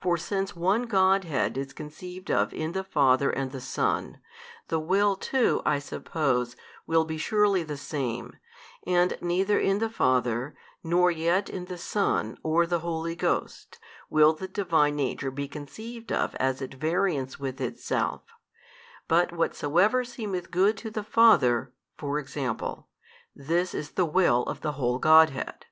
For since One Godhead is conceived of in the Father and the Son, the Will too (I suppose) will be surely the Same; and neither in the Father, nor yet in the Son or the Holy Ghost will the Divine Nature be conceived of as at variance with Itself; but whatsoever seemeth good to the Father (for example), this is the Will of the Whole Godhead.